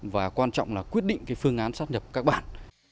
và quan trọng là quyết định phương án sáp nhập các bản